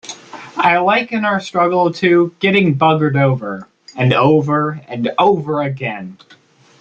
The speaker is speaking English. I liken our struggle to getting buggered over, and over, and over again.